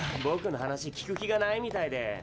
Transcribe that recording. ぼくの話聞く気がないみたいで。